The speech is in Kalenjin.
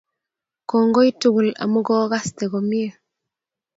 Kongoi tugul amu kogaste komie